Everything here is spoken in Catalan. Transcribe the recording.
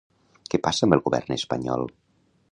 Què passa amb el govern espanyol?